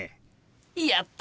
やった！